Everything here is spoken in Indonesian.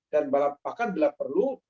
dan bahkan bila perlu